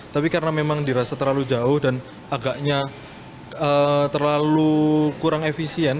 tapi karena memang dirasa terlalu jauh dan agaknya terlalu kurang efisien